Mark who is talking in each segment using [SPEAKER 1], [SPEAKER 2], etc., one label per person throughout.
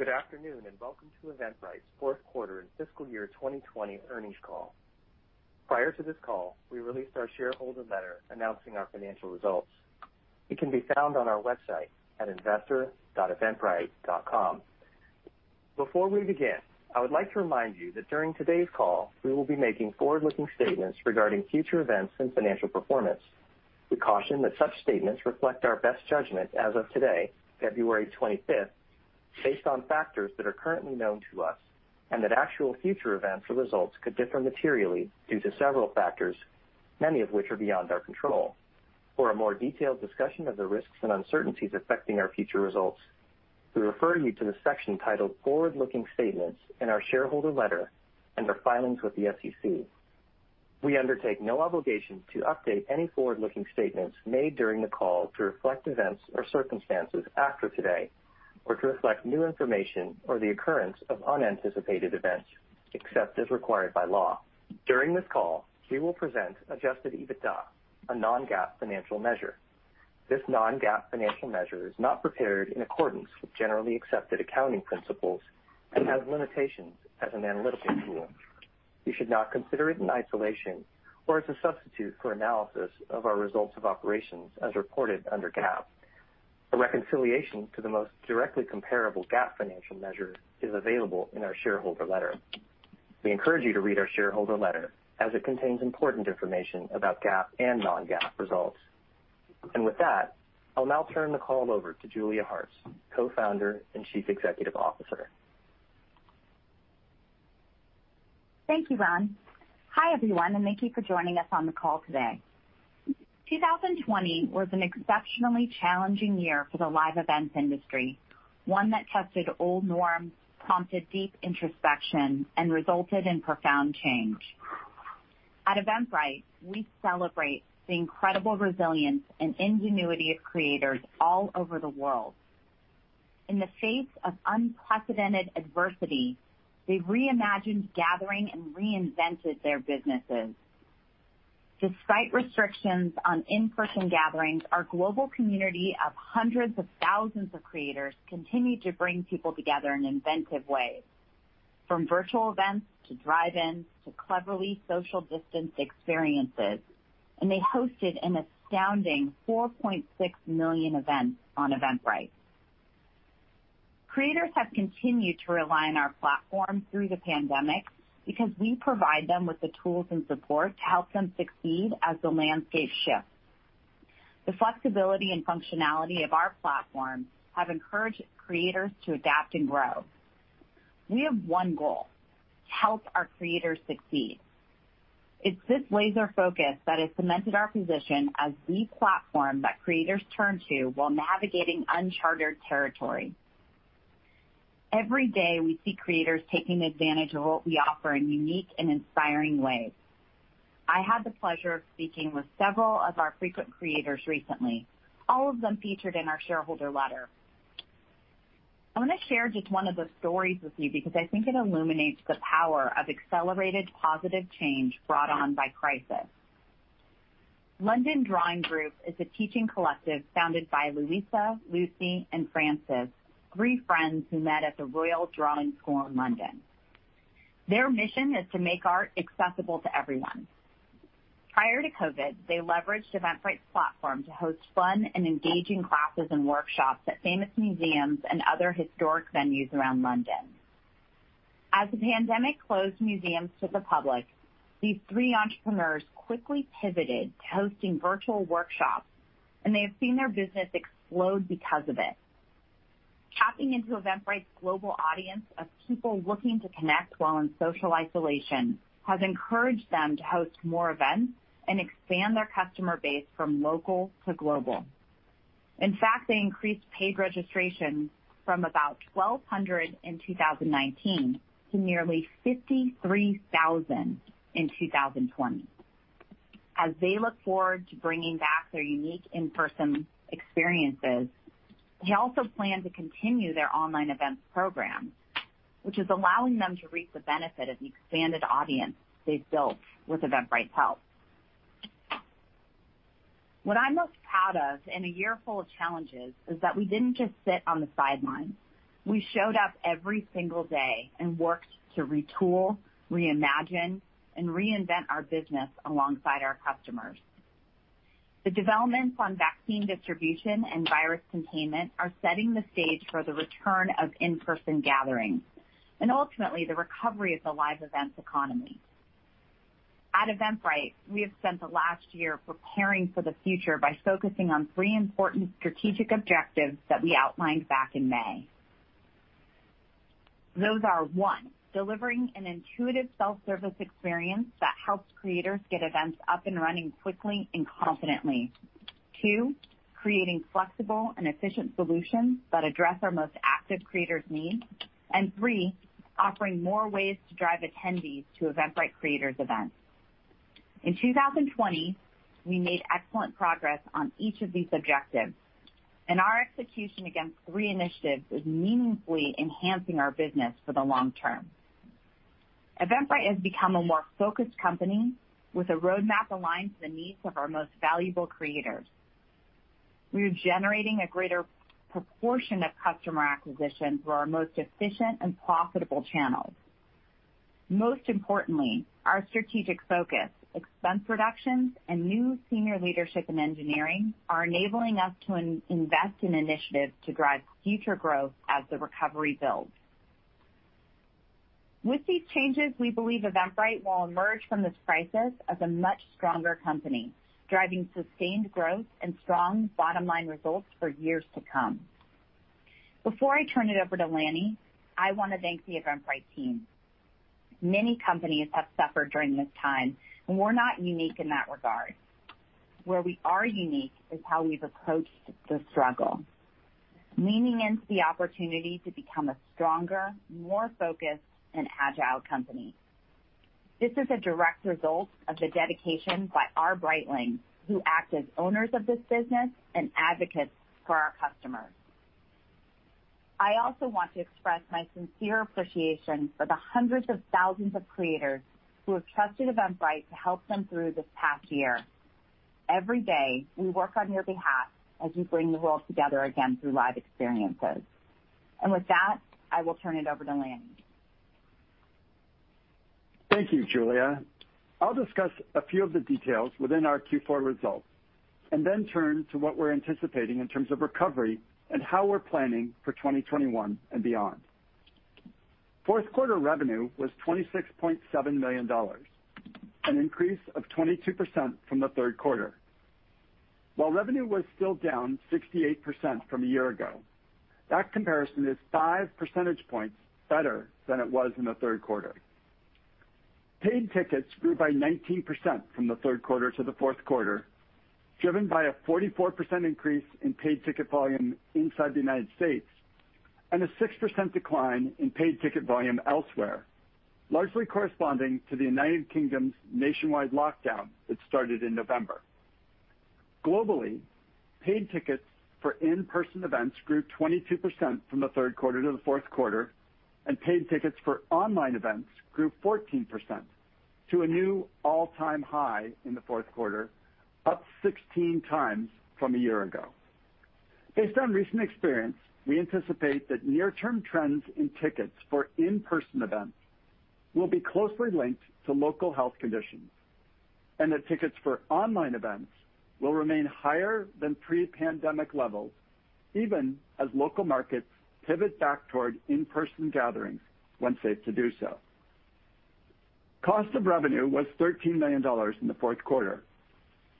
[SPEAKER 1] Good afternoon and welcome to Eventbrite's fourth quarter and fiscal year 2020 earnings call. Prior to this call, we released our shareholder letter announcing our financial results. It can be found on our website at investor.eventbrite.com. Before we begin, I would like to remind you that during today's call, we will be making forward-looking statements regarding future events and financial performance. We caution that such statements reflect our best judgment as of today, February 25th, based on factors that are currently known to us and that actual future events or results could differ materially due to several factors, many of which are beyond our control. For a more detailed discussion of the risks and uncertainties affecting our future results, we refer you to the section titled Forward-Looking Statements in our shareholder letter and our filings with the SEC. We undertake no obligation to update any forward-looking statements made during the call to reflect events or circumstances after today or to reflect new information or the occurrence of unanticipated events except as required by law. During this call, we will present Adjusted EBITDA, a non-GAAP financial measure. This non-GAAP financial measure is not prepared in accordance with generally accepted accounting principles and has limitations as an analytical tool. You should not consider it in isolation or as a substitute for analysis of our results of operations as reported under GAAP. A reconciliation to the most directly comparable GAAP financial measure is available in our shareholder letter. We encourage you to read our shareholder letter as it contains important information about GAAP and non-GAAP results. And with that, I'll now turn the call over to Julia Hartz, Co-founder and Chief Executive Officer.
[SPEAKER 2] Thank you, Ron. Hi, everyone, and thank you for joining us on the call today. 2020 was an exceptionally challenging year for the live events industry, one that tested old norms, prompted deep introspection, and resulted in profound change. At Eventbrite, we celebrate the incredible resilience and ingenuity of creators all over the world. In the face of unprecedented adversity, they reimagined, gathering, and reinvented their businesses. Despite restrictions on in-person gatherings, our global community of hundreds of thousands of creators continued to bring people together in inventive ways, from virtual events to drive-ins to cleverly social-distanced experiences, and they hosted an astounding 4.6 million events on Eventbrite. Creators have continued to rely on our platform through the pandemic because we provide them with the tools and support to help them succeed as the landscape shifts. The flexibility and functionality of our platform have encouraged creators to adapt and grow. We have one goal: help our creators succeed. It's this laser focus that has cemented our position as the platform that creators turn to while navigating unchartered territory. Every day, we see creators taking advantage of what we offer in unique and inspiring ways. I had the pleasure of speaking with several of our frequent creators recently, all of them featured in our shareholder letter. I want to share just one of the stories with you because I think it illuminates the power of accelerated positive change brought on by crisis. London Drawing Group is a teaching collective founded by Louisa, Lucy, and Frances, three friends who met at the Royal Drawing School in London. Their mission is to make art accessible to everyone. Prior to COVID, they leveraged Eventbrite's platform to host fun and engaging classes and workshops at famous museums and other historic venues around London. As the pandemic closed museums to the public, these three entrepreneurs quickly pivoted to hosting virtual workshops, and they have seen their business explode because of it. Tapping into Eventbrite's global audience of people looking to connect while in social isolation has encouraged them to host more events and expand their customer base from local to global. In fact, they increased paid registrations from about 1,200 in 2019 to nearly 53,000 in 2020. As they look forward to bringing back their unique in-person experiences, they also plan to continue their online events program, which is allowing them to reap the benefit of the expanded audience they've built with Eventbrite's help. What I'm most proud of in a year full of challenges is that we didn't just sit on the sidelines. We showed up every single day and worked to retool, reimagine, and reinvent our business alongside our customers. The developments on vaccine distribution and virus containment are setting the stage for the return of in-person gatherings and ultimately the recovery of the live events economy. At Eventbrite, we have spent the last year preparing for the future by focusing on three important strategic objectives that we outlined back in May. Those are, one, delivering an intuitive self-service experience that helps creators get events up and running quickly and confidently, two, creating flexible and efficient solutions that address our most active creators' needs, and three, offering more ways to drive attendees to Eventbrite creators' events. In 2020, we made excellent progress on each of these objectives, and our execution against three initiatives is meaningfully enhancing our business for the long term. Eventbrite has become a more focused company with a roadmap aligned to the needs of our most valuable creators. We are generating a greater proportion of customer acquisition through our most efficient and profitable channels. Most importantly, our strategic focus, expense reductions, and new senior leadership and engineering are enabling us to invest in initiatives to drive future growth as the recovery builds. With these changes, we believe Eventbrite will emerge from this crisis as a much stronger company, driving sustained growth and strong bottom-line results for years to come. Before I turn it over to Lanny, I want to thank the Eventbrite team. Many companies have suffered during this time, and we're not unique in that regard. Where we are unique is how we've approached the struggle, leaning into the opportunity to become a stronger, more focused, and agile company. This is a direct result of the dedication by our Britelings, who act as owners of this business and advocates for our customers. I also want to express my sincere appreciation for the hundreds of thousands of creators who have trusted Eventbrite to help them through this past year. Every day, we work on your behalf as you bring the world together again through live experiences. And with that, I will turn it over to Lanny.
[SPEAKER 3] Thank you, Julia. I'll discuss a few of the details within our Q4 results and then turn to what we're anticipating in terms of recovery and how we're planning for 2021 and beyond. Fourth quarter revenue was $26.7 million, an increase of 22% from the third quarter. While revenue was still down 68% from a year ago, that comparison is five percentage points better than it was in the third quarter. Paid tickets grew by 19% from the third quarter to the fourth quarter, driven by a 44% increase in paid ticket volume inside the United States and a 6% decline in paid ticket volume elsewhere, largely corresponding to the United Kingdom's nationwide lockdown that started in November. Globally, paid tickets for in-person events grew 22% from the third quarter to the fourth quarter, and paid tickets for online events grew 14% to a new all-time high in the fourth quarter, up 16x from a year ago. Based on recent experience, we anticipate that near-term trends in tickets for in-person events will be closely linked to local health conditions and that tickets for online events will remain higher than pre-pandemic levels, even as local markets pivot back toward in-person gatherings when safe to do so. Cost of revenue was $13 million in the fourth quarter,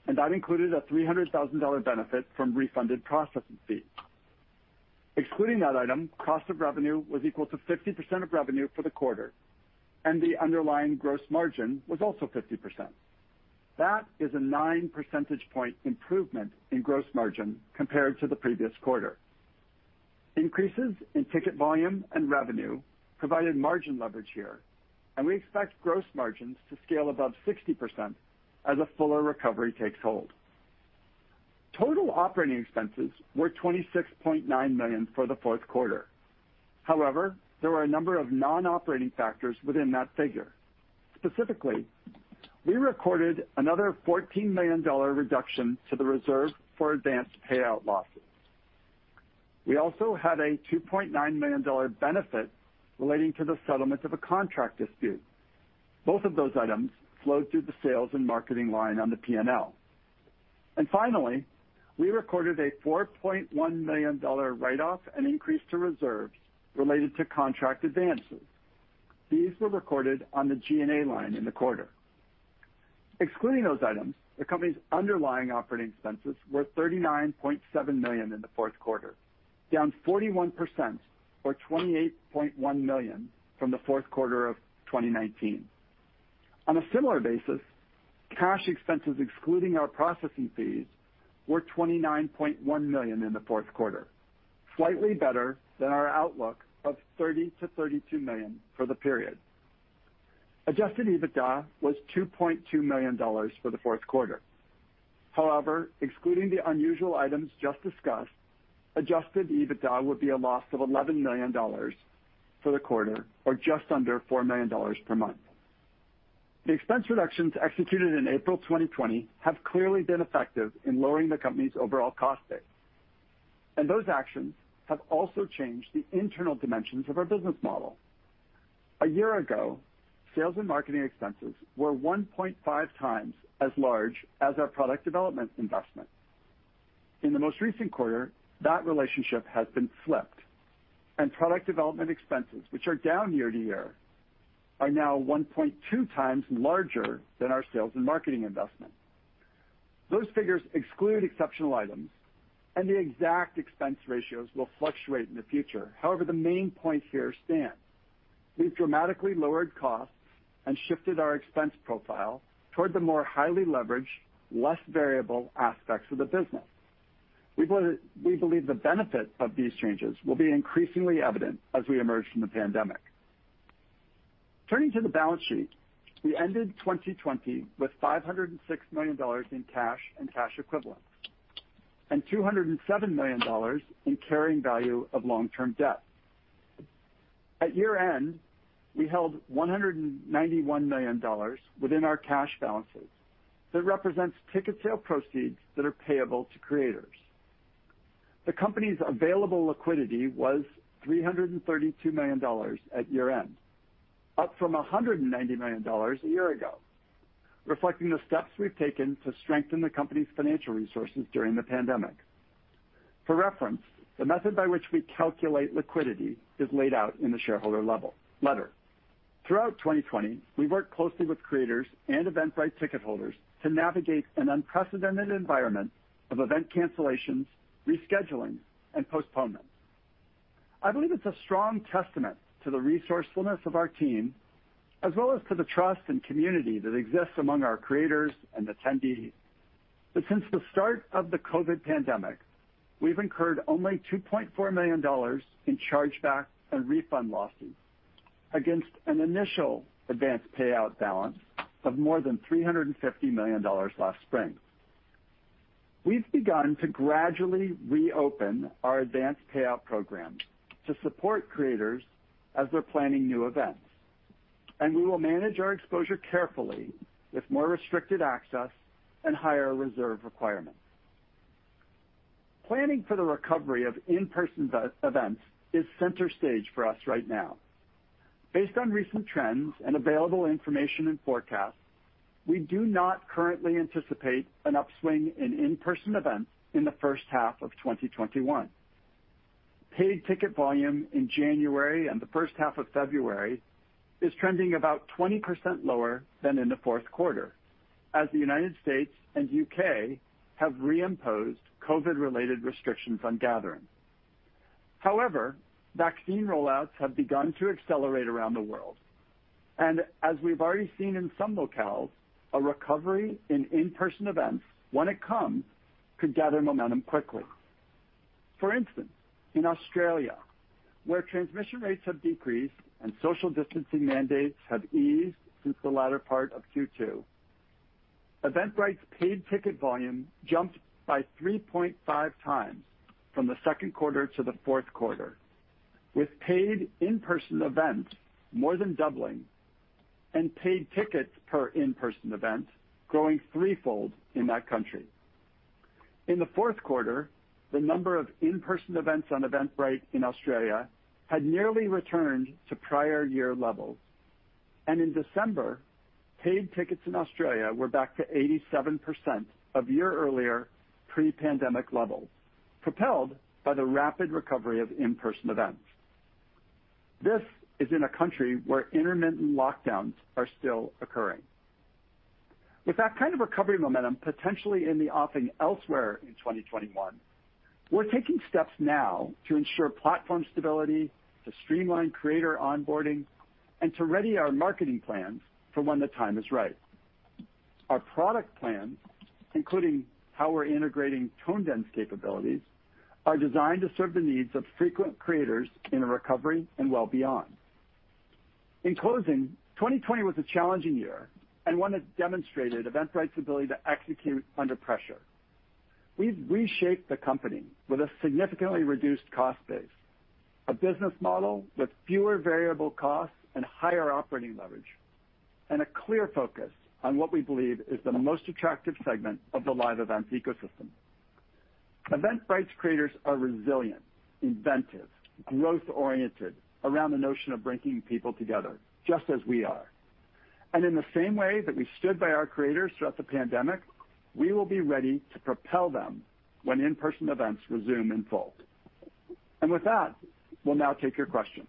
[SPEAKER 3] and that included a $300,000 benefit from refunded processing fees. Excluding that item, cost of revenue was equal to 50% of revenue for the quarter, and the underlying gross margin was also 50%. That is a 9 percentage point improvement in gross margin compared to the previous quarter. Increases in ticket volume and revenue provided margin leverage here, and we expect gross margins to scale above 60% as a fuller recovery takes hold. Total operating expenses were $26.9 million for the fourth quarter. However, there were a number of non-operating factors within that figure. Specifically, we recorded another $14 million reduction to the reserve for advanced payout losses. We also had a $2.9 million benefit relating to the settlement of a contract dispute. Both of those items flowed through the sales and marketing line on the P&L. And finally, we recorded a $4.1 million write-off and increase to reserves related to contract advances. These were recorded on the G&A line in the quarter. Excluding those items, the company's underlying operating expenses were $39.7 million in the fourth quarter, down 41% or $28.1 million from the fourth quarter of 2019. On a similar basis, cash expenses excluding our processing fees were $29.1 million in the fourth quarter, slightly better than our outlook of $30 million-$32 million for the period. Adjusted EBITDA was $2.2 million for the fourth quarter. However, excluding the unusual items just discussed, Adjusted EBITDA would be a loss of $11 million for the quarter or just under $4 million per month. The expense reductions executed in April 2020 have clearly been effective in lowering the company's overall cost base, and those actions have also changed the internal dimensions of our business model. A year ago, sales and marketing expenses were 1.5x as large as our product development investment. In the most recent quarter, that relationship has been flipped, and product development expenses, which are down year-to-year, are now 1.2x larger than our sales and marketing investment. Those figures exclude exceptional items, and the exact expense ratios will fluctuate in the future. However, the main point here stands. We've dramatically lowered costs and shifted our expense profile toward the more highly leveraged, less variable aspects of the business. We believe the benefit of these changes will be increasingly evident as we emerge from the pandemic. Turning to the balance sheet, we ended 2020 with $506 million in cash and cash equivalents and $207 million in carrying value of long-term debt. At year-end, we held $191 million within our cash balances that represents ticket sale proceeds that are payable to creators. The company's available liquidity was $332 million at year-end, up from $190 million a year ago, reflecting the steps we've taken to strengthen the company's financial resources during the pandemic. For reference, the method by which we calculate liquidity is laid out in the shareholder letter. Throughout 2020, we've worked closely with creators and Eventbrite ticket holders to navigate an unprecedented environment of event cancellations, rescheduling, and postponements. I believe it's a strong testament to the resourcefulness of our team, as well as to the trust and community that exists among our creators and attendees. But since the start of the COVID pandemic, we've incurred only $2.4 million in chargeback and refund losses against an initial advanced payout balance of more than $350 million last spring. We've begun to gradually reopen our advanced payout program to support creators as they're planning new events, and we will manage our exposure carefully with more restricted access and higher reserve requirements. Planning for the recovery of in-person events is center stage for us right now. Based on recent trends and available information and forecasts, we do not currently anticipate an upswing in in-person events in the first half of 2021. Paid ticket volume in January and the first half of February is trending about 20% lower than in the fourth quarter, as the United States and U.K. have reimposed COVID-related restrictions on gathering. However, vaccine rollouts have begun to accelerate around the world, and as we've already seen in some locales, a recovery in in-person events, when it comes, could gather momentum quickly. For instance, in Australia, where transmission rates have decreased and social distancing mandates have eased since the latter part of Q2, Eventbrite's paid ticket volume jumped by 3.5x from the second quarter to the fourth quarter, with paid in-person events more than doubling and paid tickets per in-person event growing threefold in that country. In the fourth quarter, the number of in-person events on Eventbrite in Australia had nearly returned to prior year levels, and in December, paid tickets in Australia were back to 87% of year-earlier pre-pandemic levels, propelled by the rapid recovery of in-person events. This is in a country where intermittent lockdowns are still occurring. With that kind of recovery momentum potentially in the offing elsewhere in 2021, we're taking steps now to ensure platform stability, to streamline creator onboarding, and to ready our marketing plans for when the time is right. Our product plans, including how we're integrating ToneDen capabilities, are designed to serve the needs of frequent creators in a recovery and well beyond. In closing, 2020 was a challenging year and one that demonstrated Eventbrite's ability to execute under pressure. We've reshaped the company with a significantly reduced cost base, a business model with fewer variable costs and higher operating leverage, and a clear focus on what we believe is the most attractive segment of the live events ecosystem. Eventbrite's creators are resilient, inventive, growth-oriented around the notion of bringing people together, just as we are. And in the same way that we stood by our creators throughout the pandemic, we will be ready to propel them when in-person events resume in full. And with that, we'll now take your questions.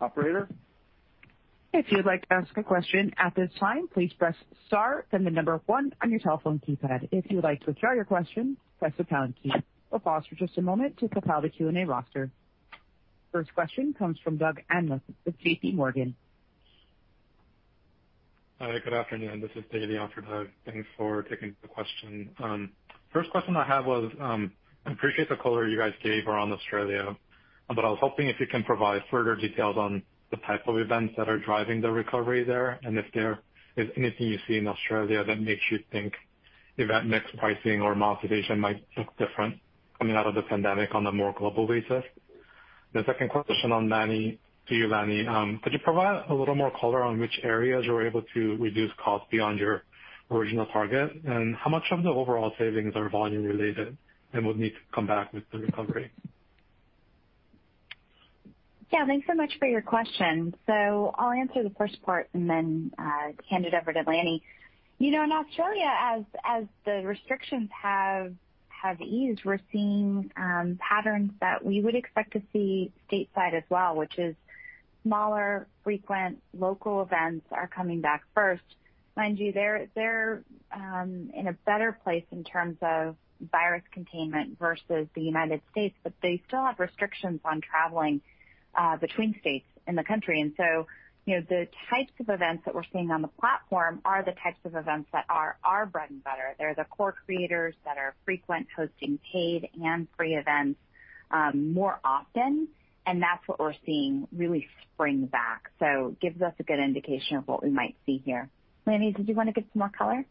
[SPEAKER 3] Operator?
[SPEAKER 1] If you'd like to ask a question at this time, please press star, then the number one on your telephone keypad. If you'd like to withdraw your question, press the pound key. We'll pause for just a moment to compile the Q&A roster. First question comes from Doug Anmuth with JPMorgan. Hi. Good afternoon. This is Dae for Doug. Thanks for taking the question. First question I have was, I appreciate the color you guys gave around Australia, but I was hoping if you can provide further details on the type of events that are driving the recovery there and if there is anything you see in Australia that makes you think event mix pricing or amount of revenue might look different coming out of the pandemic on a more global basis. The second question on Lanny, to you, Lanny, could you provide a little more color on which areas you were able to reduce costs beyond your original target and how much of the overall savings are volume-related and would need to come back with the recovery?
[SPEAKER 2] Yeah. Thanks so much for your question. So I'll answer the first part and then hand it over to Lanny. You know, in Australia, as the restrictions have eased, we're seeing patterns that we would expect to see stateside as well, which is smaller, frequent local events are coming back first. Mind you, they're in a better place in terms of virus containment versus the United States, but they still have restrictions on traveling between states in the country. And so the types of events that we're seeing on the platform are the types of events that are our bread and butter. There are the core creators that are frequent hosting paid and free events more often, and that's what we're seeing really spring back. So it gives us a good indication of what we might see here. Lanny, did you want to get some more color?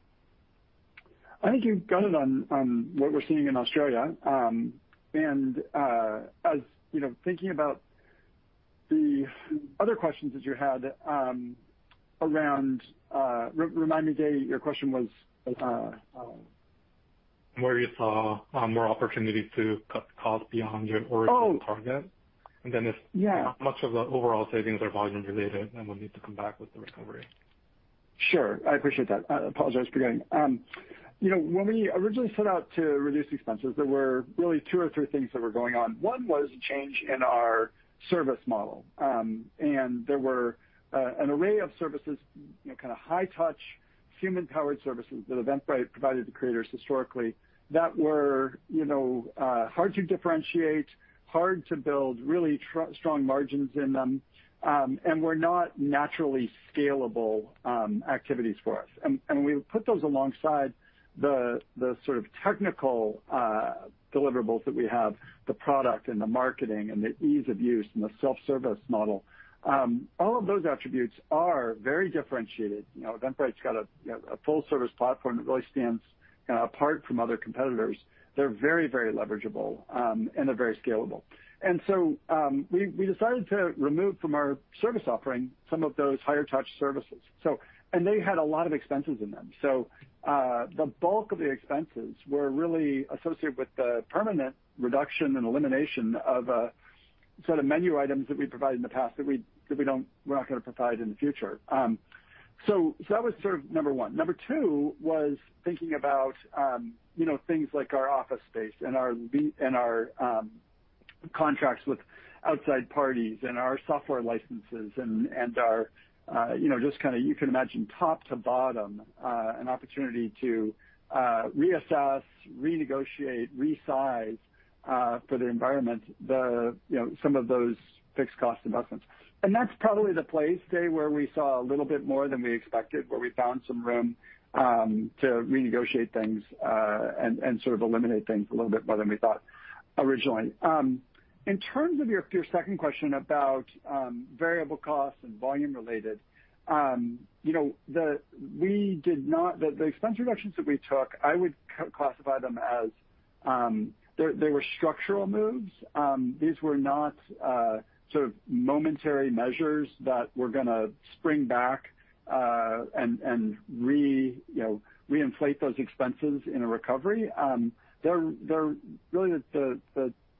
[SPEAKER 3] I think you've got it on what we're seeing in Australia. And as thinking about the other questions that you had around remind me, Dae, your question was. Where you saw more opportunity to cut costs beyond your original target. And then how much of the overall savings are volume-related and would need to come back with the recovery. Sure. I appreciate that. I apologize for getting. When we originally set out to reduce expenses, there were really two or three things that were going on. One was a change in our service model, and there were an array of services, kind of high-touch, human-powered services that Eventbrite provided to creators historically that were hard to differentiate, hard to build really strong margins in them, and were not naturally scalable activities for us, and we put those alongside the sort of technical deliverables that we have, the product and the marketing and the ease of use and the self-service model. All of those attributes are very differentiated. Eventbrite's got a full-service platform that really stands apart from other competitors. They're very, very leverageable and they're very scalable, and so we decided to remove from our service offering some of those higher-touch services. They had a lot of expenses in them. The bulk of the expenses were really associated with the permanent reduction and elimination of a set of menu items that we provided in the past that we're not going to provide in the future. That was sort of number one. Number two was thinking about things like our office space and our contracts with outside parties and our software licenses and our just kind of, you can imagine, top to bottom, an opportunity to reassess, renegotiate, resize for the environment, some of those fixed-cost investments. That's probably the place, Dae, where we saw a little bit more than we expected, where we found some room to renegotiate things and sort of eliminate things a little bit more than we thought originally. In terms of your second question about variable costs and volume-related, the expense reductions that we took, I would classify them as they were structural moves. These were not sort of momentary measures that were going to spring back and reinflate those expenses in a recovery. Really, the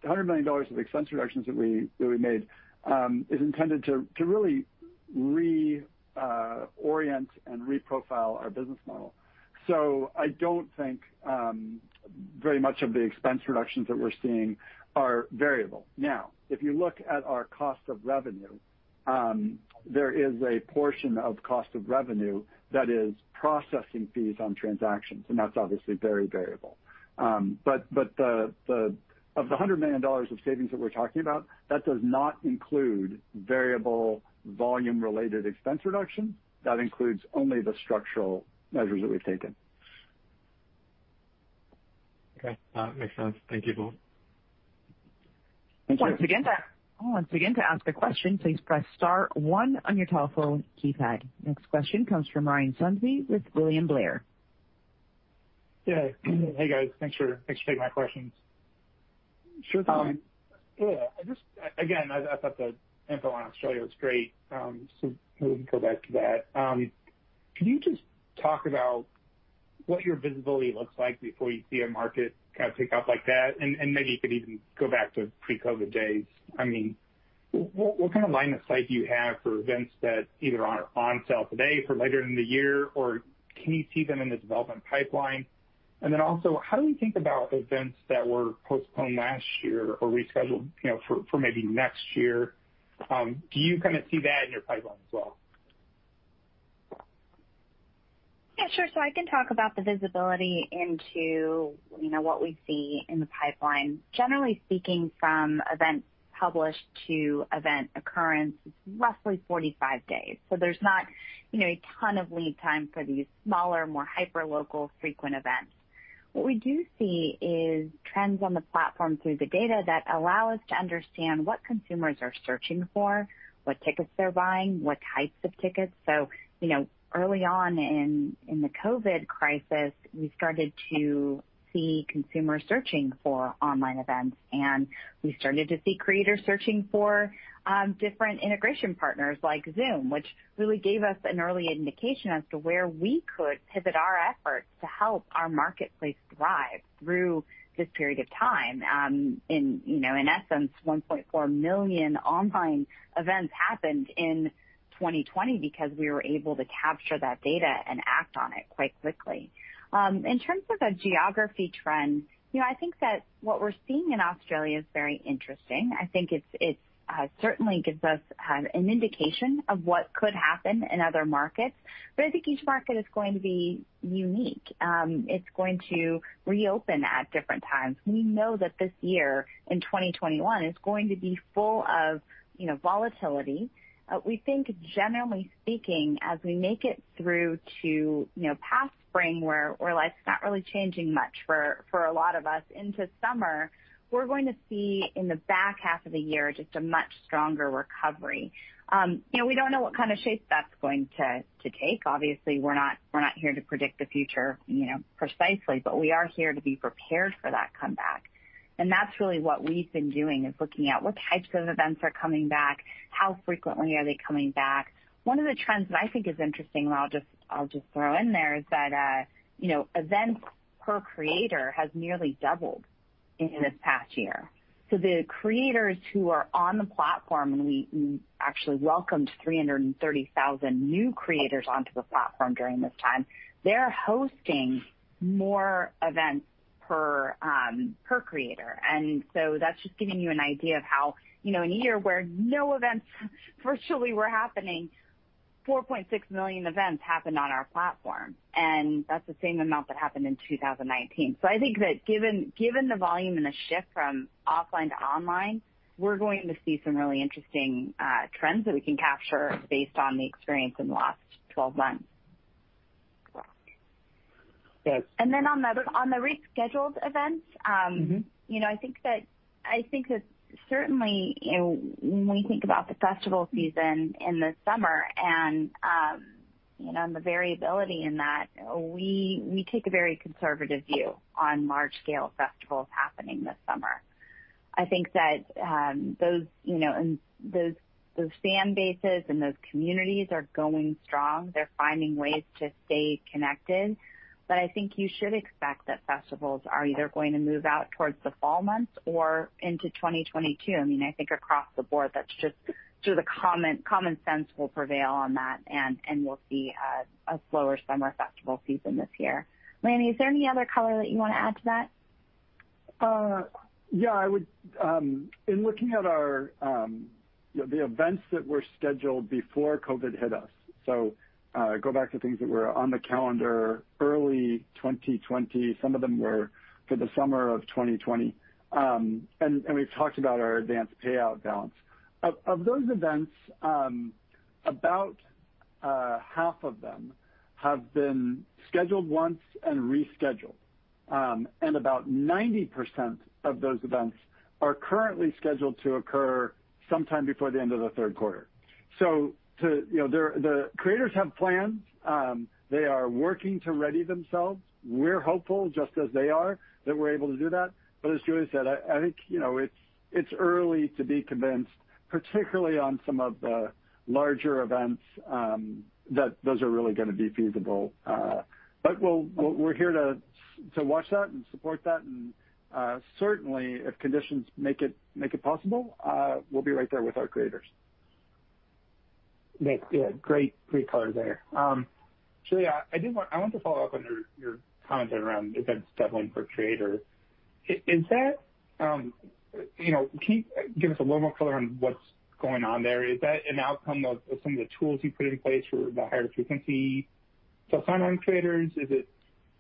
[SPEAKER 3] $100 million of expense reductions that we made is intended to really reorient and reprofile our business model. So I don't think very much of the expense reductions that we're seeing are variable. Now, if you look at our cost of revenue, there is a portion of cost of revenue that is processing fees on transactions, and that's obviously very variable. But of the $100 million of savings that we're talking about, that does not include variable volume-related expense reductions. That includes only the structural measures that we've taken. Okay. That makes sense. Thank you both.
[SPEAKER 1] Once again, to ask a question, please press star, one on your telephone keypad. Next question comes from Ryan Sundby with William Blair.
[SPEAKER 4] Yeah, hey, guys. Thanks for taking my questions.
[SPEAKER 3] Sure thing.
[SPEAKER 4] Yeah, again, I thought the info on Australia was great, so we can go back to that. Can you just talk about what your visibility looks like before you see a market kind of pick up like that? And maybe you could even go back to pre-COVID days. I mean, what kind of line of sight do you have for events that either are on sale today for later in the year, or can you see them in the development pipeline? And then also, how do we think about events that were postponed last year or rescheduled for maybe next year? Do you kind of see that in your pipeline as well?
[SPEAKER 2] Yeah, sure. So I can talk about the visibility into what we see in the pipeline. Generally speaking, from event published to event occurrence, it's roughly 45 days. So there's not a ton of lead time for these smaller, more hyper-local, frequent events. What we do see is trends on the platform through the data that allow us to understand what consumers are searching for, what tickets they're buying, what types of tickets. So early on in the COVID crisis, we started to see consumers searching for online events, and we started to see creators searching for different integration partners like Zoom, which really gave us an early indication as to where we could pivot our efforts to help our marketplace thrive through this period of time. In essence, 1.4 million online events happened in 2020 because we were able to capture that data and act on it quite quickly. In terms of a geography trend, I think that what we're seeing in Australia is very interesting. I think it certainly gives us an indication of what could happen in other markets, but I think each market is going to be unique. It's going to reopen at different times. We know that this year in 2021 is going to be full of volatility. We think, generally speaking, as we make it through to past spring, where life's not really changing much for a lot of us, into summer, we're going to see in the back half of the year just a much stronger recovery. We don't know what kind of shape that's going to take. Obviously, we're not here to predict the future precisely, but we are here to be prepared for that comeback. And that's really what we've been doing, is looking at what types of events are coming back, how frequently are they coming back. One of the trends that I think is interesting, and I'll just throw in there, is that events per creator has nearly doubled in this past year. So the creators who are on the platform, and we actually welcomed 330,000 new creators onto the platform during this time, they're hosting more events per creator. And so that's just giving you an idea of how in a year where no events virtually were happening, 4.6 million events happened on our platform, and that's the same amount that happened in 2019. So I think that given the volume and the shift from offline to online, we're going to see some really interesting trends that we can capture based on the experience in the last 12 months. And then on the rescheduled events, I think that certainly, when we think about the festival season in the summer and the variability in that, we take a very conservative view on large-scale festivals happening this summer. I think that those fan bases and those communities are going strong. They're finding ways to stay connected. But I think you should expect that festivals are either going to move out towards the fall months or into 2022. I mean, I think across the board, that's just sort of the common sense will prevail on that, and we'll see a slower summer festival season this year. Lanny, is there any other color that you want to add to that?
[SPEAKER 3] Yeah. In looking at the events that were scheduled before COVID hit us, so go back to things that were on the calendar early 2020, some of them were for the summer of 2020, and we've talked about our advance payout balance. Of those events, about half of them have been scheduled once and rescheduled, and about 90% of those events are currently scheduled to occur sometime before the end of the third quarter. So the creators have plans. They are working to ready themselves. We're hopeful, just as they are, that we're able to do that. But as Julia said, I think it's early to be convinced, particularly on some of the larger events, that those are really going to be feasible. But we're here to watch that and support that. And certainly, if conditions make it possible, we'll be right there with our creators.
[SPEAKER 4] Great. Great color there. Julia, I wanted to follow up on your comment around events deadline for creators. Can you give us a little more color on what's going on there? Is that an outcome of some of the tools you put in place for the higher-frequency to sign on creators? Is it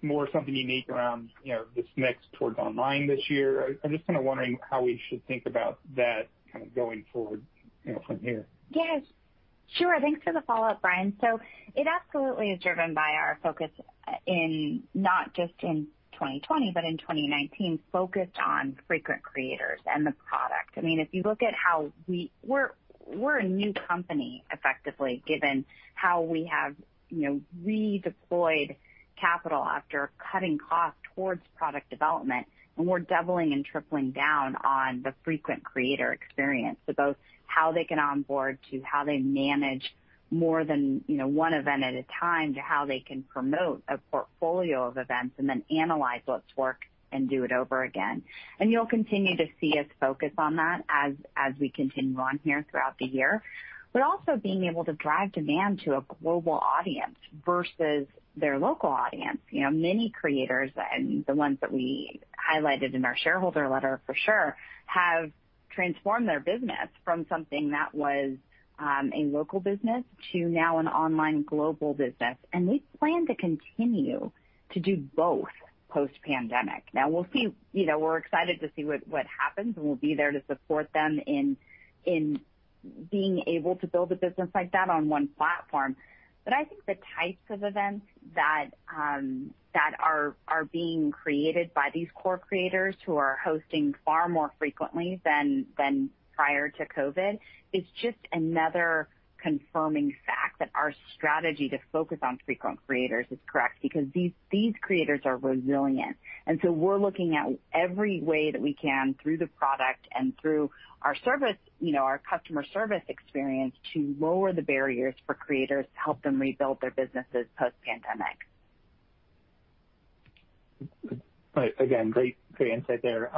[SPEAKER 4] more something unique around this mix towards online this year? I'm just kind of wondering how we should think about that kind of going forward from here.
[SPEAKER 2] Yes. Sure. Thanks for the follow-up, Ryan. So it absolutely is driven by our focus in not just in 2020, but in 2019, focused on frequent creators and the product. I mean, if you look at how we're a new company, effectively, given how we have redeployed capital after cutting costs towards product development, and we're doubling and tripling down on the frequent creator experience, so both how they can onboard to how they manage more than one event at a time, to how they can promote a portfolio of events and then analyze what's worked and do it over again. You'll continue to see us focus on that as we continue on here throughout the year, but also being able to drive demand to a global audience versus their local audience. Many creators, and the ones that we highlighted in our shareholder letter, for sure, have transformed their business from something that was a local business to now an online global business. And we plan to continue to do both post-pandemic. Now, we're excited to see what happens, and we'll be there to support them in being able to build a business like that on one platform. But I think the types of events that are being created by these core creators who are hosting far more frequently than prior to COVID is just another confirming fact that our strategy to focus on frequent creators is correct because these creators are resilient. And so we're looking at every way that we can through the product and through our customer service experience to lower the barriers for creators, help them rebuild their businesses post-pandemic.
[SPEAKER 4] Again, great insight there.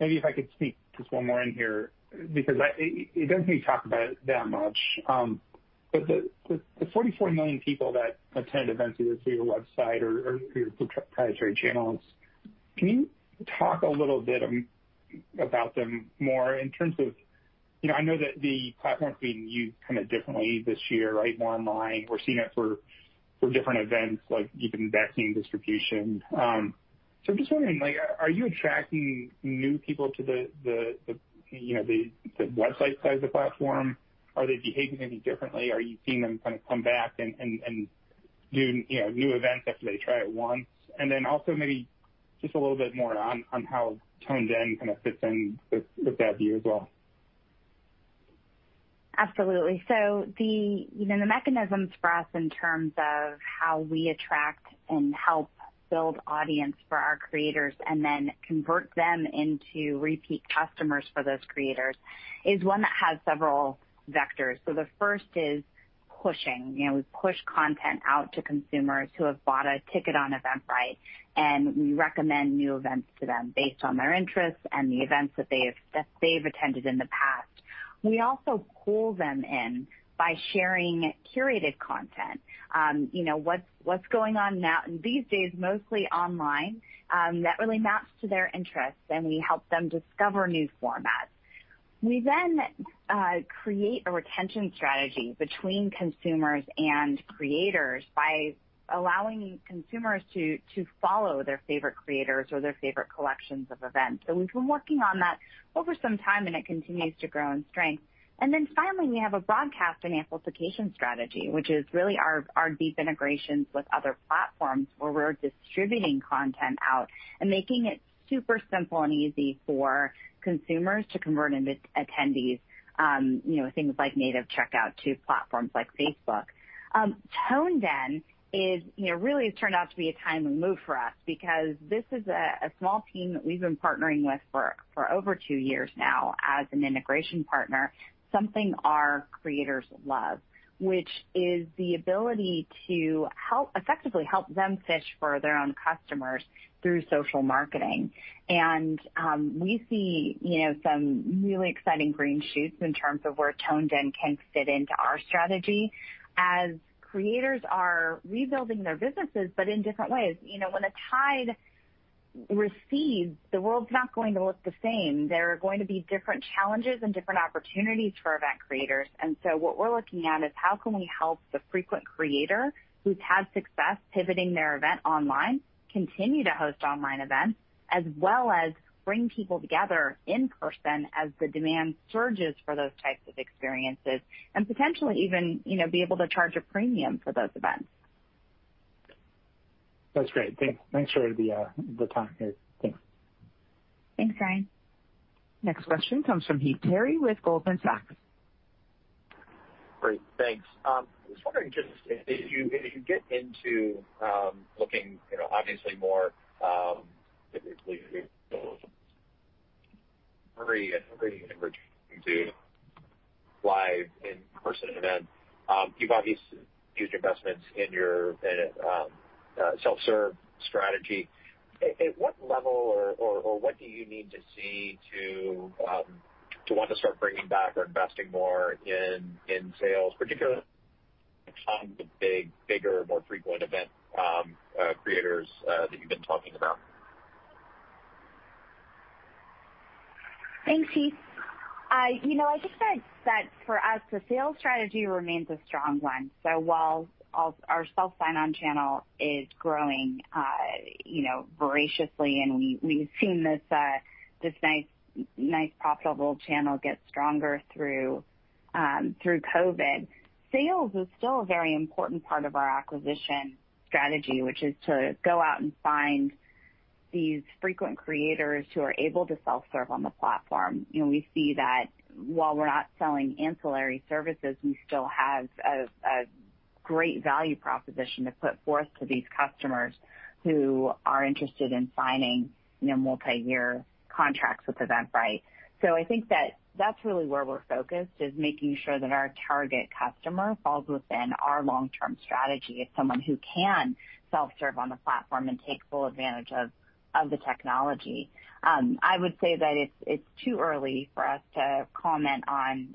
[SPEAKER 4] Maybe if I could sneak just one more in here because it doesn't need to talk about that much, but the 44 million people that attended events either through your website or your proprietary channels? Can you talk a little bit about them more in terms of I know that the platform's being used kind of differently this year, right, more online? We're seeing it for different events, like even vaccine distribution. So I'm just wondering, are you attracting new people to the website side of the platform? Are they behaving any differently? Are you seeing them kind of come back and do new events after they try it once, and then also maybe just a little bit more on how ToneDen kind of fits in with that view as well.
[SPEAKER 2] Absolutely, so the mechanisms for us in terms of how we attract and help build audience for our creators and then convert them into repeat customers for those creators is one that has several vectors, so the first is pushing. We push content out to consumers who have bought a ticket on Eventbrite, and we recommend new events to them based on their interests and the events that they've attended in the past. We also pull them in by sharing curated content. What's going on now, and these days, mostly online, that really maps to their interests, and we help them discover new formats. We then create a retention strategy between consumers and creators by allowing consumers to follow their favorite creators or their favorite collections of events, so we've been working on that over some time, and it continues to grow in strength. And then finally, we have a broadcast and amplification strategy, which is really our deep integrations with other platforms where we're distributing content out and making it super simple and easy for consumers to convert into attendees, things like native checkout to platforms like Facebook. ToneDen really has turned out to be a timely move for us because this is a small team that we've been partnering with for over two years now as an integration partner, something our creators love, which is the ability to effectively help them fish for their own customers through social marketing. And we see some really exciting green shoots in terms of where ToneDen can fit into our strategy as creators are rebuilding their businesses, but in different ways. When the tide recedes, the world's not going to look the same. There are going to be different challenges and different opportunities for event creators. And so what we're looking at is how can we help the frequent creator who's had success pivoting their event online continue to host online events, as well as bring people together in person as the demand surges for those types of experiences and potentially even be able to charge a premium for those events.
[SPEAKER 4] That's great. Thanks for the time here. Thanks.
[SPEAKER 2] Thanks, Brian.
[SPEAKER 1] Next question comes from Heath Terry with Goldman Sachs.
[SPEAKER 5] Great. Thanks. I was wondering just if you get into looking, obviously, more frequently and returning to live in-person events, you've obviously used investments in your self-service strategy. At what level or what do you need to see to want to start bringing back or investing more in sales, particularly on the bigger, more frequent event creators that you've been talking about?
[SPEAKER 2] Thanks, Heath. I just said that for us, the sales strategy remains a strong one. So while our self-sign-on channel is growing voraciously, and we've seen this nice, profitable channel get stronger through COVID, sales is still a very important part of our acquisition strategy, which is to go out and find these frequent creators who are able to self-serve on the platform. We see that while we're not selling ancillary services, we still have a great value proposition to put forth to these customers who are interested in signing multi-year contracts with Eventbrite. So I think that that's really where we're focused, is making sure that our target customer falls within our long-term strategy as someone who can self-serve on the platform and take full advantage of the technology. I would say that it's too early for us to comment on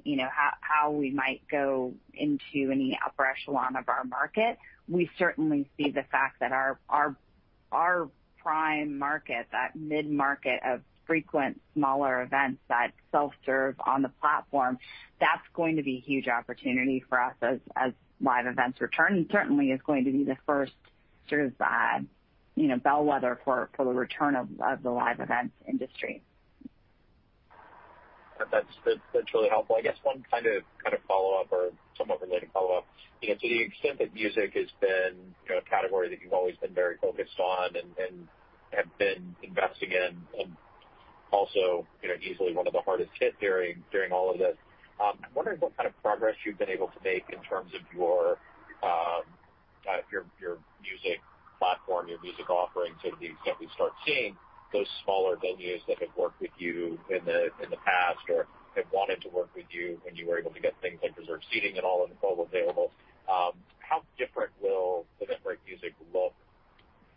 [SPEAKER 2] how we might go into any upper echelon of our market. We certainly see the fact that our prime market, that mid-market of frequent, smaller events that self-serve on the platform, that's going to be a huge opportunity for us as live events return, and certainly is going to be the first sort of bellwether for the return of the live events industry.
[SPEAKER 5] That's really helpful. I guess one kind of follow-up or somewhat related follow-up. To the extent that music has been a category that you've always been very focused on and have been investing in, and also easily one of the hardest hits during all of this, I'm wondering what kind of progress you've been able to make in terms of your music platform, your music offering, to the extent we start seeing those smaller venues that have worked with you in the past or have wanted to work with you when you were able to get things like reserved seating and all available. How different will Eventbrite Music look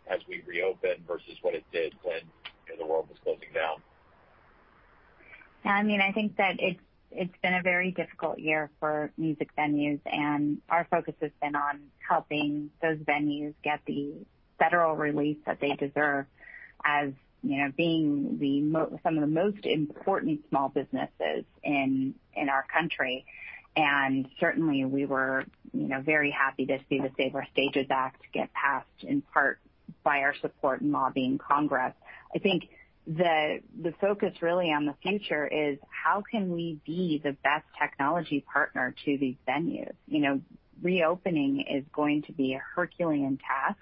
[SPEAKER 5] as we reopen versus what it did when the world was closing down?
[SPEAKER 2] Yeah. I mean, I think that it's been a very difficult year for music venues, and our focus has been on helping those venues get the federal relief that they deserve as being some of the most important small businesses in our country, and certainly we were very happy to see the Save Our Stages Act get passed in part by our support in lobbying Congress. I think the focus really on the future is how can we be the best technology partner to these venues? Reopening is going to be a Herculean task,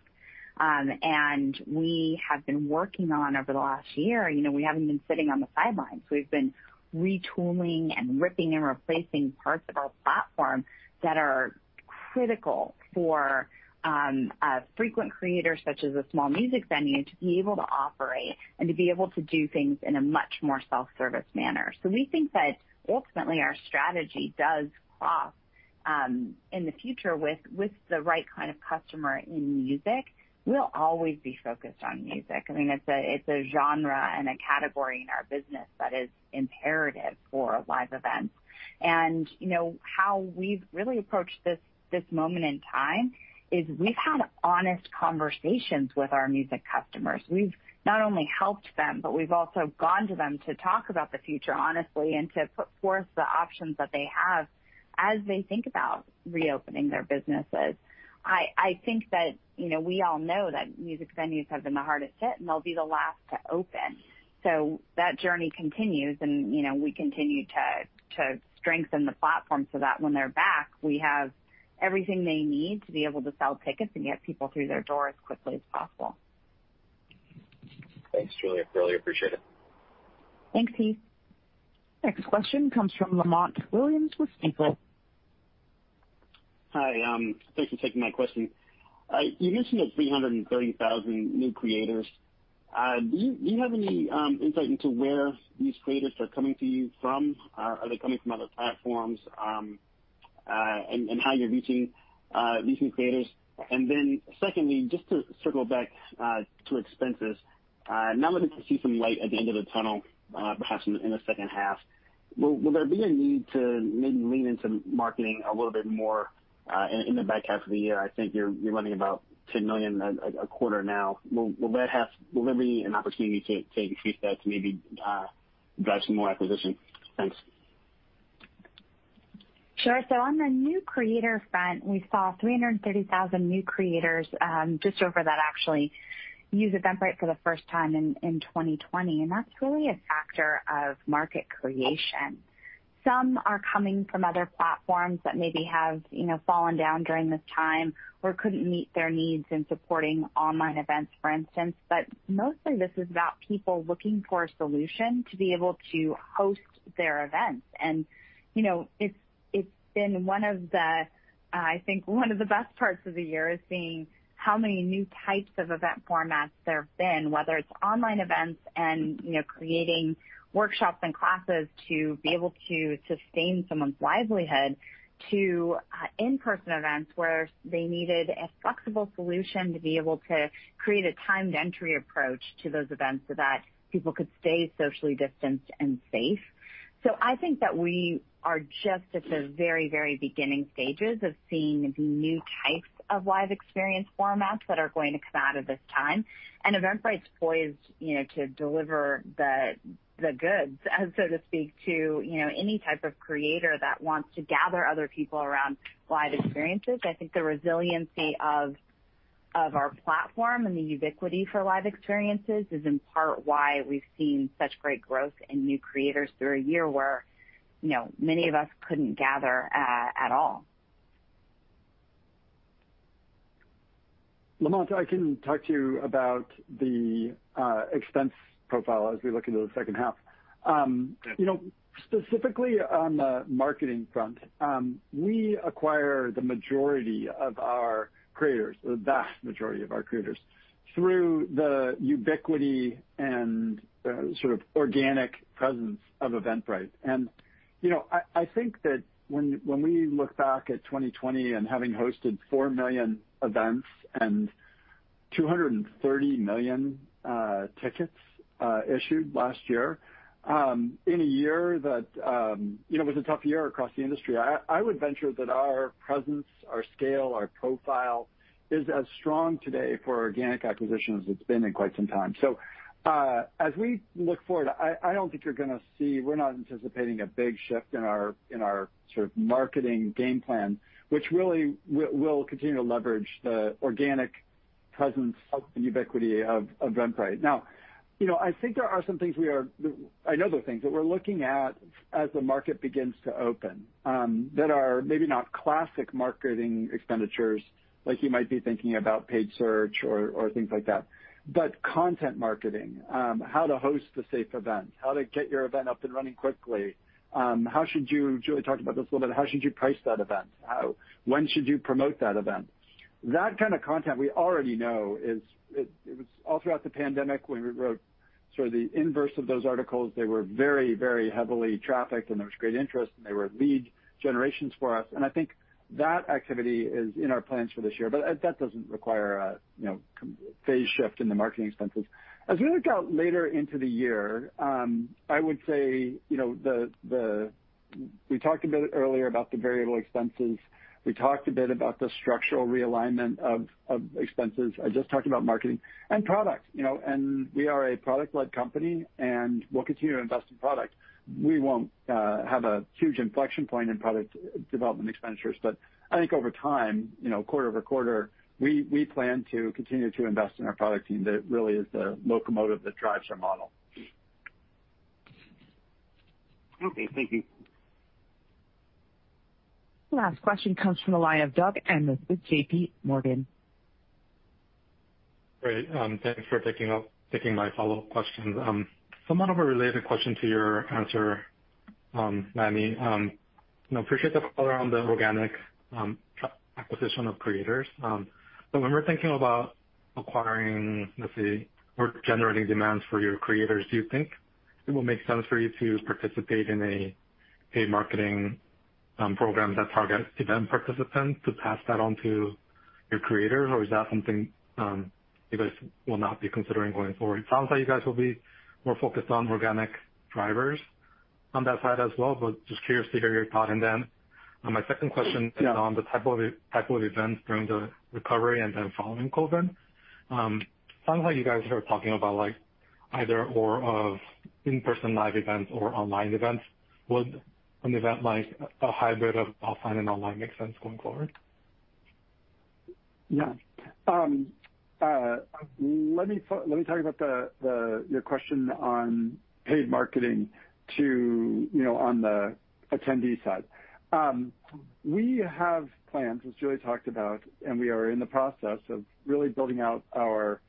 [SPEAKER 2] and we have been working on over the last year. We haven't been sitting on the sidelines. We've been retooling and ripping and replacing parts of our platform that are critical for frequent creators such as a small music venue to be able to operate and to be able to do things in a much more self-service manner. So we think that ultimately our strategy does cross in the future with the right kind of customer in music. We'll always be focused on music. I mean, it's a genre and a category in our business that is imperative for live events. And how we've really approached this moment in time is we've had honest conversations with our music customers. We've not only helped them, but we've also gone to them to talk about the future honestly and to put forth the options that they have as they think about reopening their businesses. I think that we all know that music venues have been the hardest hit, and they'll be the last to open. So that journey continues, and we continue to strengthen the platform so that when they're back, we have everything they need to be able to sell tickets and get people through their doors as quickly as possible.
[SPEAKER 3] Thanks, Julia. Really appreciate it.
[SPEAKER 2] Thanks, Heath.
[SPEAKER 1] Next question comes from Lamont Williams with Stifel.
[SPEAKER 6] Hi. Thanks for taking my question. You mentioned that 330,000 new creators. Do you have any insight into where these creators are coming to you from? Are they coming from other platforms and how you're reaching these new creators? And then secondly, just to circle back to expenses, now that we can see some light at the end of the tunnel, perhaps in the second half, will there be a need to maybe lean into marketing a little bit more in the back half of the year? I think you're running about $10 million a quarter now. Will there be an opportunity to increase that to maybe drive some more acquisition? Thanks.
[SPEAKER 2] Sure, so on the new creator front, we saw 330,000 new creators just over that actually use Eventbrite for the first time in 2020, and that's really a factor of market creation. Some are coming from other platforms that maybe have fallen down during this time or couldn't meet their needs in supporting online events, for instance, but mostly, this is about people looking for a solution to be able to host their events, and it's been one of the, I think, one of the best parts of the year is seeing how many new types of event formats there have been, whether it's online events and creating workshops and classes to be able to sustain someone's livelihood to in-person events where they needed a flexible solution to be able to create a timed entry approach to those events so that people could stay socially distanced and safe. So I think that we are just at the very, very beginning stages of seeing the new types of live experience formats that are going to come out of this time. And Eventbrite's poised to deliver the goods, so to speak, to any type of creator that wants to gather other people around live experiences. I think the resiliency of our platform and the ubiquity for live experiences is in part why we've seen such great growth in new creators through a year where many of us couldn't gather at all.
[SPEAKER 3] Lamont, I can talk to you about the expense profile as we look into the second half. Specifically on the marketing front, we acquire the majority of our creators, the vast majority of our creators, through the ubiquity and sort of organic presence of Eventbrite. And I think that when we look back at 2020 and having hosted 4 million events and 230 million tickets issued last year in a year that was a tough year across the industry, I would venture that our presence, our scale, our profile is as strong today for organic acquisition as it's been in quite some time. So as we look forward, I don't think you're going to see, we're not anticipating a big shift in our sort of marketing game plan, which really will continue to leverage the organic presence and ubiquity of Eventbrite. Now, I think there are some things. I know there are things that we're looking at as the market begins to open that are maybe not classic marketing expenditures like you might be thinking about paid search or things like that, but content marketing, how to host a safe event, how to get your event up and running quickly. Julia talked about this a little bit. How should you price that event? When should you promote that event? That kind of content we already know. It was all throughout the pandemic when we wrote sort of the inverse of those articles. They were very, very heavily trafficked, and there was great interest, and they were lead generations for us. And I think that activity is in our plans for this year, but that doesn't require a phase shift in the marketing expenses. As we look out later into the year, I would say we talked a bit earlier about the variable expenses. We talked a bit about the structural realignment of expenses. I just talked about marketing and product. And we are a product-led company, and we'll continue to invest in product. We won't have a huge inflection point in product development expenditures, but I think over time, quarter-over-quarter, we plan to continue to invest in our product team. That really is the locomotive that drives our model.
[SPEAKER 6] Okay. Thank you.
[SPEAKER 1] Last question comes from the line of Doug Anmuth with JPMorgan. Great. Thanks for taking my follow-up question. Somewhat of a related question to your answer, Lanny. I appreciate the follow-up around the organic acquisition of creators. But when we're thinking about acquiring or generating demands for your creators, do you think it will make sense for you to participate in a marketing program that targets event participants to pass that on to your creators, or is that something you guys will not be considering going forward? It sounds like you guys will be more focused on organic drivers on that side as well, but just curious to hear your thought. And then my second question is on the type of events during the recovery and then following COVID-19. It sounds like you guys are talking about either/or of in-person live events or online events. Would an event like a hybrid of offline and online make sense going forward?
[SPEAKER 3] Yeah. Let me talk about your question on paid marketing on the attendee side. We have plans, as Julia talked about, and we are in the process of really building out our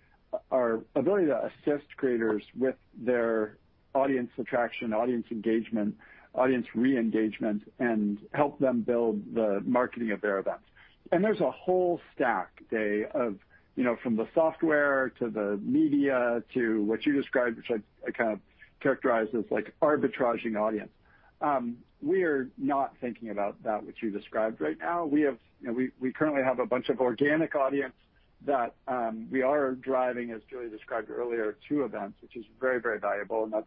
[SPEAKER 3] ability to assist creators with their audience attraction, audience engagement, audience re-engagement, and help them build the marketing of their events. And there's a whole stack, Dae, from the software to the media to what you described, which I kind of characterized as arbitraging audience. We are not thinking about that, what you described, right now. We currently have a bunch of organic audience that we are driving, as Julia described earlier, to events, which is very, very valuable. And that's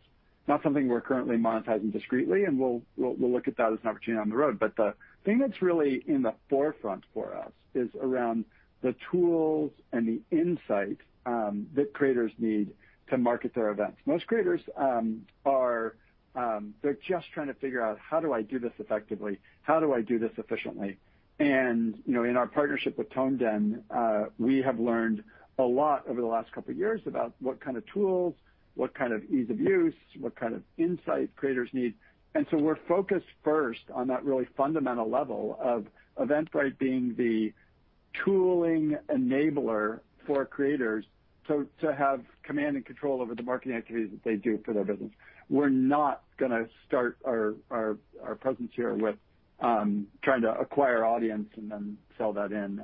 [SPEAKER 3] not something we're currently monetizing discreetly, and we'll look at that as an opportunity down the road. But the thing that's really in the forefront for us is around the tools and the insight that creators need to market their events. Most creators, they're just trying to figure out, "How do I do this effectively? How do I do this efficiently?" And in our partnership with ToneDen, we have learned a lot over the last couple of years about what kind of tools, what kind of ease of use, what kind of insight creators need. And so we're focused first on that really fundamental level of Eventbrite being the tooling enabler for creators to have command and control over the marketing activities that they do for their business. We're not going to start our presence here with trying to acquire audience and then sell that in.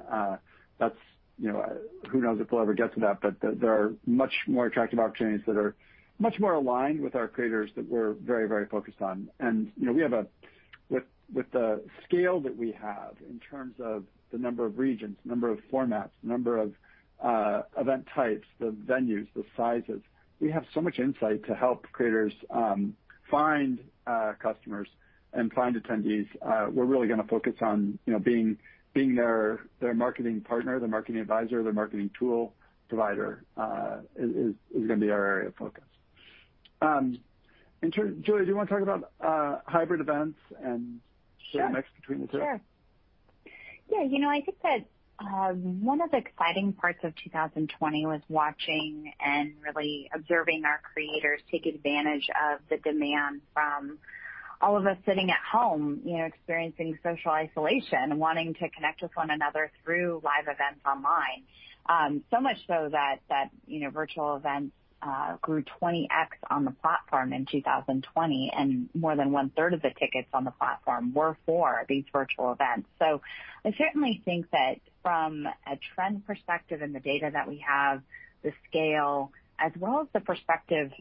[SPEAKER 3] Who knows if we'll ever get to that, but there are much more attractive opportunities that are much more aligned with our creators that we're very, very focused on. And we have, with the scale that we have in terms of the number of regions, the number of formats, the number of event types, the venues, the sizes, we have so much insight to help creators find customers and find attendees. We're really going to focus on being their marketing partner, their marketing advisor, their marketing tool provider is going to be our area of focus. Julia, do you want to talk about hybrid events and the mix between the two?
[SPEAKER 2] Sure. Yeah. I think that one of the exciting parts of 2020 was watching and really observing our creators take advantage of the demand from all of us sitting at home, experiencing social isolation, wanting to connect with one another through live events online. So much so that virtual events grew 20x on the platform in 2020, and more than one-third of the tickets on the platform were for these virtual events. So I certainly think that from a trend perspective and the data that we have, the scale, as well as the perspective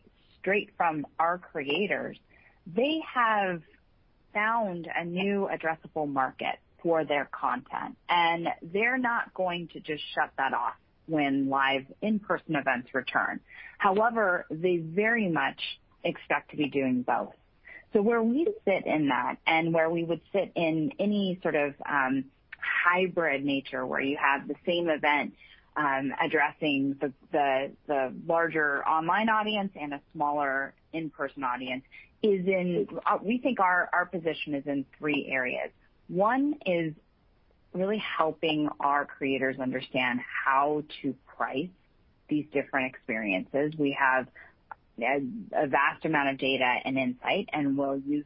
[SPEAKER 2] straight from our creators, they have found a new addressable market for their content, and they're not going to just shut that off when live in-person events return. However, they very much expect to be doing both. Where we sit in that and where we would sit in any sort of hybrid nature where you have the same event addressing the larger online audience and a smaller in-person audience is, we think, our position in three areas. One is really helping our creators understand how to price these different experiences. We have a vast amount of data and insight, and we'll use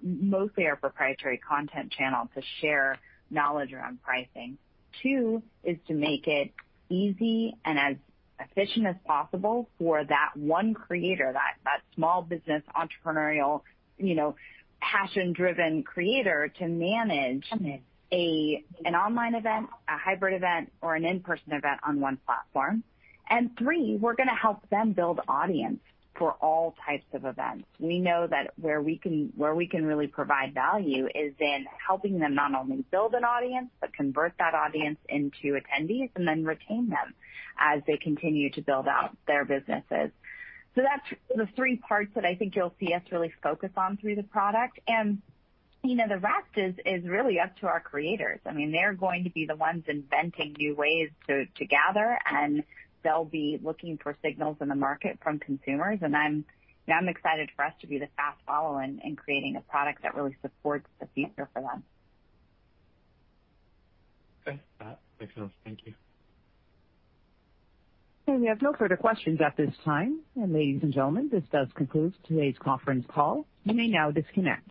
[SPEAKER 2] mostly our proprietary content channel to share knowledge around pricing. Two is to make it easy and as efficient as possible for that one creator, that small business entrepreneurial, passion-driven creator to manage an online event, a hybrid event, or an in-person event on one platform, and three, we're going to help them build audience for all types of events. We know that where we can really provide value is in helping them not only build an audience, but convert that audience into attendees and then retain them as they continue to build out their businesses. So that's the three parts that I think you'll see us really focus on through the product. And the rest is really up to our creators. I mean, they're going to be the ones inventing new ways to gather, and they'll be looking for signals in the market from consumers. And I'm excited for us to be the fast follower in creating a product that really supports the future for them. Okay. That makes sense. Thank you.
[SPEAKER 1] We have no further questions at this time. Ladies and gentlemen, this does conclude today's conference call. You may now disconnect.